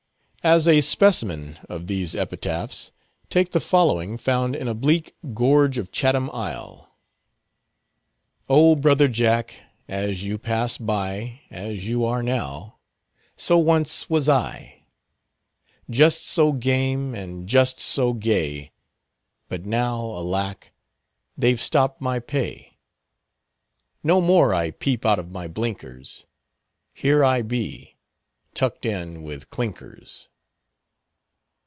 As a specimen of these epitaphs, take the following, found in a bleak gorge of Chatham Isle:— "Oh, Brother Jack, as you pass by, As you are now, so once was I. Just so game, and just so gay, But now, alack, they've stopped my pay. No more I peep out of my blinkers, Here I be—tucked in with clinkers!"